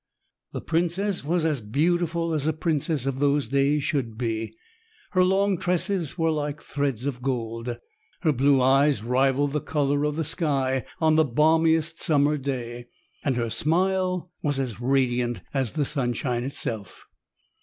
The princess was as beautiful as a princess of those days should be; her long tresses were like threads of gold, her blue eyes rivaled the color of the sky on the balmiest summer day; and her smile was as radiant as the sunshine itself.